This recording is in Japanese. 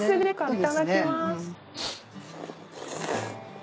いただきます。